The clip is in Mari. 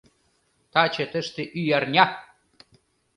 Таче тыште Ӱярня